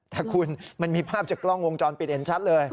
แต่คุณมันมีภาพจากกล้องวงจรปิดเห็นชัดเลย